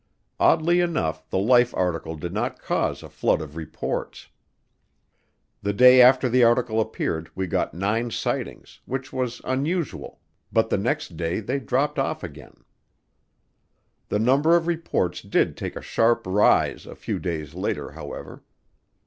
Oddly enough, the Life article did not cause a flood of reports. The day after the article appeared we got nine sightings, which was unusual, but the next day they dropped off again. The number of reports did take a sharp rise a few days later, however.